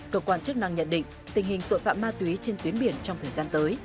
cơ quan chức năng nhận định tình hình tội phạm ma túy trên tuyến biển trong thời gian tới